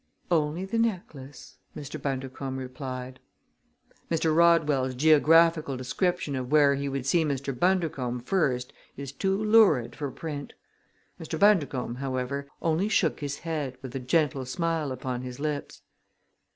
"Only the necklace!" Mr. Bundercombe replied. Mr. Rodwell's geographical description of where he would see Mr. Bundercombe first is too lurid for print. Mr. Bundercombe, however, only shook his head, with a gentle smile upon his lips.